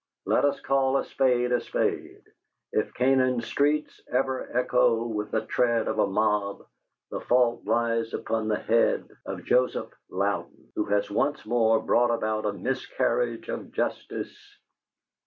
Let us call a spade a spade. If Canaan's streets ever echo with the tread of a mob, the fault lies upon the head of Joseph Louden, who has once more brought about a miscarriage of justice...."